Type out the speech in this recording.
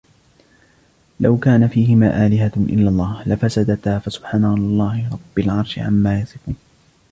لو كان فيهما آلهة إلا الله لفسدتا فسبحان الله رب العرش عما يصفون